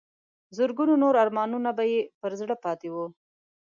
زرګونو نور ارمانونه به یې پر زړه پاتې وو.